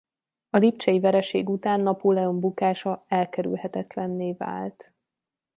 A lipcsei vereség után Napóleon bukása elkerülhetetlenné vált.